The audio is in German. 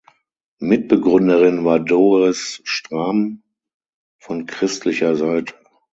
Mitbegründerin war Doris Strahm von christlicher Seite.